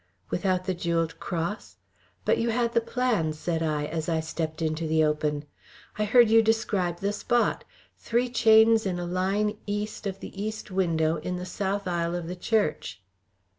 "Without the jewelled cross? But you had the plan," said I, as I stepped into the open. "I heard you describe the spot three chains in a line east of the east window in the south aisle of the church."